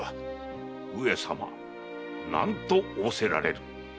上様何と仰せられる？